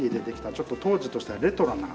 ちょっと当時としてはレトロな。